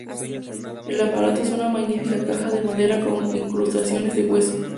El aparato es una magnífica caja de madera con incrustaciones de hueso.